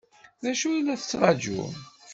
D acu i la tettṛaǧum?